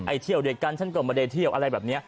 เที่ยวด้วยกันฉันก็ไม่ได้เที่ยวอะไรแบบนี้